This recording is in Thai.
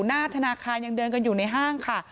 หน้าธนาคารยังเดินกันอยู่ในห้างค่ะ